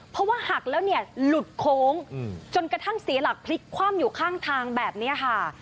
เพราะว่าหักแล้วเนี่ยหลุดโค้งจนกระทั่งเสียหลักพลิกคว่ำอยู่ข้างทางแบบนี้ค่ะ